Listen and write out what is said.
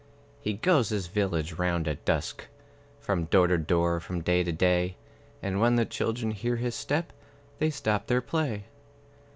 He goes his village round at dusk From door to door, from day to day; And when the children hear his step They stop their play.